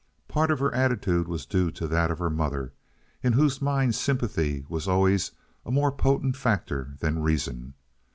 Part of her attitude was due to that of her mother, in whose mind sympathy was always a more potent factor than reason.